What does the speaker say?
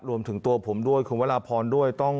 รวมถึงตัวผมด้วยคุณวราพรด้วย